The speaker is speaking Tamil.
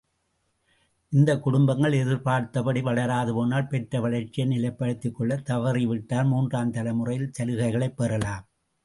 இந்தக் குடும்பங்கள் எதிர்ப்பார்த்தபடி வளராது போனால் பெற்ற வளர்ச்சியை நிலைப்படுத்திக் கொள்ளத் தவறிவிட்டால் மூன்றாந் தலைமுறையில் சலுகைகளைப் பெறலாம்.